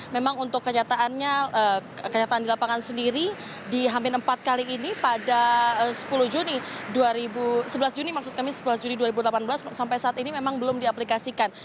memang untuk kenyataan di lapangan sendiri di hampir empat kali ini pada sepuluh juni sebelas juni maksud kami sebelas juni dua ribu delapan belas sampai saat ini memang belum diaplikasikan